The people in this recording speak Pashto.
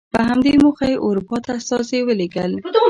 په همدې موخه یې اروپا ته استازي ولېږل.